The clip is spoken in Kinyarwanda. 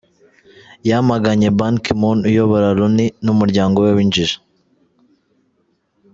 Yamaganye Ban Ki Moon uyobora Loni n’umuryango we “w’injiji”.